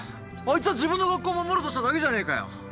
あいつは自分の学校守ろうとしただけじゃねえかよ。